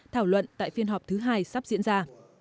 thảo luận tại phiên họp thứ hai sắp diễn ra